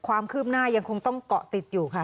ความคืบหน้ายังคงต้องเกาะติดอยู่ค่ะ